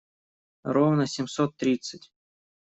Ровно семьсот тридцать.